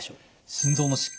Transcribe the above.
心臓の疾患